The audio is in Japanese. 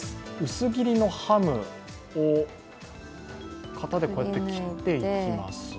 薄切りのハムを型で切っていきます。